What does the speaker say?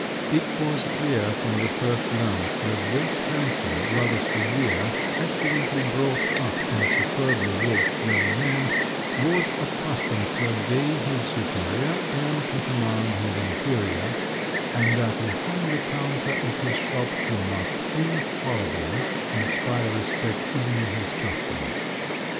It was clear from the first glance that this handsome, rather severe, excellently brought up and superbly washed young man was accustomed to obey his superior and to command his inferior, and that behind the counter of his shop he must infallibly inspire respect even in his customers!